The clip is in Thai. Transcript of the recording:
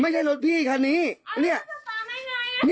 ไม่ใช่รถพี่คันนี้เนี่ยเอารถสะบัดให้หน่อยนะ